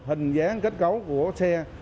hình dáng kết cấu của xe